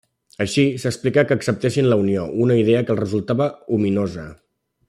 Així s'explica que acceptessin la Unió, una idea que els resultava ominosa.